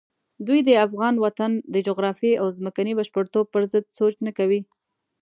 دوی د افغان وطن د جغرافیې او ځمکني بشپړتوب پرضد سوچ نه کوي.